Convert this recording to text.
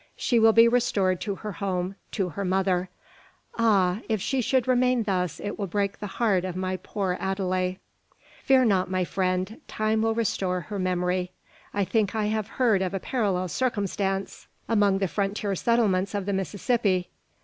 She will be restored to her home, to her mother." "Ah! if she should remain thus it will break the heart of my poor Adele." "Fear not, my friend. Time will restore her memory. I think I have heard of a parallel circumstance among the frontier settlements of the Mississippi."